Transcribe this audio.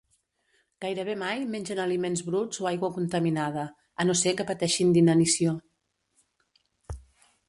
Gairebé mai mengen aliments bruts o aigua contaminada, a no ser que pateixin d'inanició.